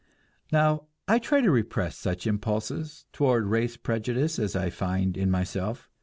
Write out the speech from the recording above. Now, I try to repress such impulses toward race prejudice as I find in myself.